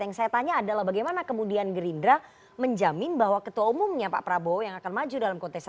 yang saya tanya adalah bagaimana kemudian gerindra menjamin bahwa ketua umumnya pak prabowo yang akan maju dalam kontestasi